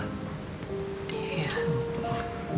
dulu papa gak pernah